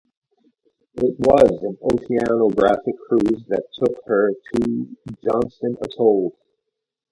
It was an oceanographic cruise that took her to Johnston Atoll.